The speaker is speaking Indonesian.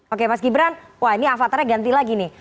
oke mas gibran wah ini avatarnya ganti lagi nih